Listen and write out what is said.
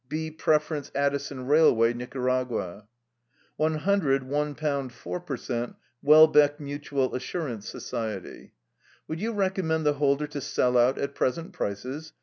B Preference Addison Railway, Nicaragua; "One hundred £1 4 per cent. Welbeck Mutual Assurance Society. "Would you recommend the holder to sell out at present prices?